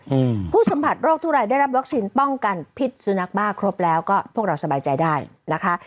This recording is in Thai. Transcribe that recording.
อืมผู้สัมผัสโรคทุกรายได้รับวัคซีนป้องกันพิษสุนัขบ้าครบแล้วก็พวกเราสบายใจได้นะคะ